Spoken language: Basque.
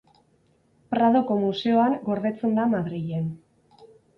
Pradoko Museoan gordetzen da Madrilen.